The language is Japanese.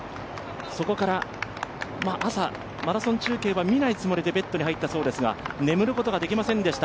そこから朝、マラソン中継は見ないつもりでベッドに入ったそうですが眠ることができませんでした。